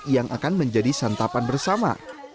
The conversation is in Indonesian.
yang akan menjadi santapan bersama